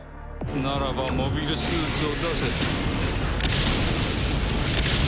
ならばモビルスーツを出せ。